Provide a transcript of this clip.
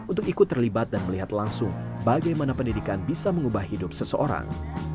untuk ikut terlibat dan melihat langsung bagaimana pendidikan bisa mengubah hidup seseorang